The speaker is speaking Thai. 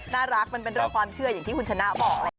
มันเป็นเรื่องความเชื่ออย่างที่คุณชนะบอกแหละ